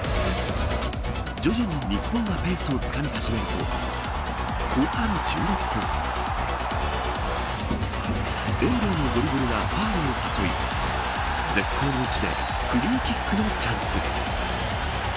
徐々に日本がペースをつかみはじめると後半１６分遠藤のドリブルがファールを誘い絶好の位置でフリーキックのチャンス。